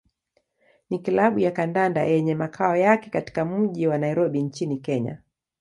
ni klabu ya kandanda yenye makao yake katika mji wa Nairobi nchini Kenya.